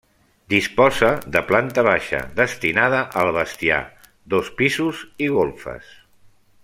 Disposa de planta baixa, destinada al bestiar, dos pisos i golfes.